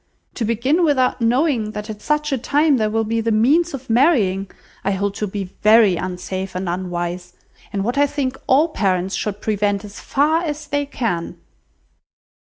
To begin without knowing that at such a time there will be the means of marrying, I hold to be very unsafe and unwise, and what I think all parents should prevent as far as they can."